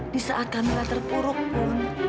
di saat kami terpuruk pun